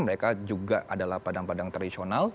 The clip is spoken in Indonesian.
mereka juga adalah padang padang tradisional